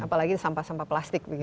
apalagi sampah sampah plastik